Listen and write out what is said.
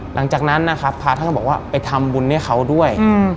หลังจากนั้นนะครับพระท่านก็บอกว่าไปทำบุญให้เขาด้วย